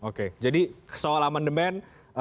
oke jadi soal amandemen